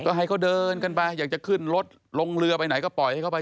ก็ให้เขาเดินกันไปอยากจะขึ้นรถลงเรือไปไหนก็ปล่อยให้เขาไป